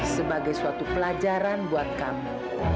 sebagai suatu pelajaran buat kami